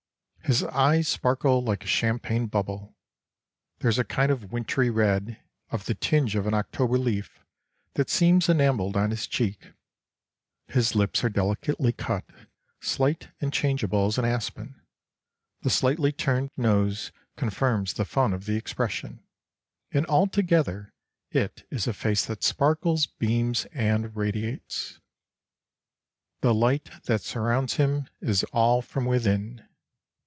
] "His eyes sparkle like a champagne bubble; there is a kind of wintry red, of the tinge of an October leaf, that seems enamelled on his cheek; his lips are delicately cut, slight, and changeable as an aspen; the slightly turned nose confirms the fun of the expression; and altogether it is a face that sparkles, beams, and radiates 'The light that surrounds him is all from within.